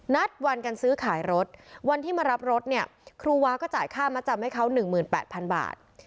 นัดวันกันซื้อขายรถวันที่มารับรถเนี่ยครูวาก็จ่ายค่ามาจำให้เขา๑๘๐๐๐บาท